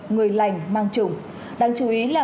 người lành mang chủng đáng chú ý là